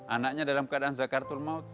anaknya dalam keadaan zakartur maut